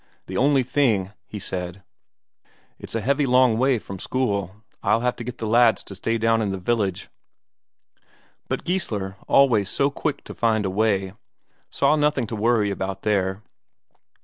"The only thing," he said, "it's a heavy long way from school: I'll have to get the lads to stay down in the village." But Geissler, always so quick to find a way, saw nothing to worry about here.